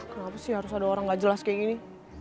kenapa sih harus ada orang gak jelas kayak gini